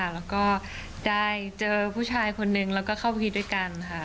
แล้วก็ได้เจอผู้ชายคนนึงแล้วก็เข้าพีชด้วยกันค่ะ